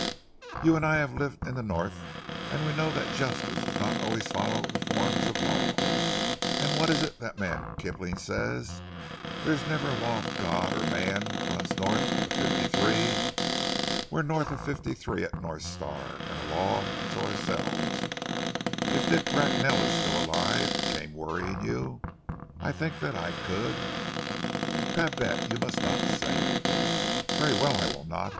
"You and I have lived in the North, and we know that justice does not always follow the forms of law. And what is it that man Kipling says, 'There's never a Law of God or man runs North of fifty three.' We're North of fifty three at North Star, and a law unto ourselves. If Dick Bracknell is still alive, and came worrying you, I think that I could " "Babette, you must not say it." "Very well, I will not.